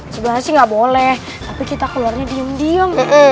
sebenarnya sih gak boleh tapi kita keluarnya diem diem